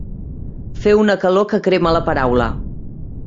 Fer una calor que crema la paraula.